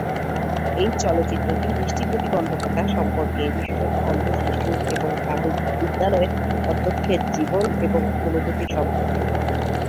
এই চলচ্চিত্রটি দৃষ্টি প্রতিবন্ধকতা সম্পর্কে, বিশেষত অন্ধ শিশু এবং তাদের বিদ্যালয়ের অধ্যক্ষের জীবন এবং অনুভূতি সম্পর্কে।